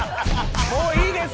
もういいです！